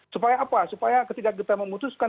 supaya apa supaya ketika kita memutuskan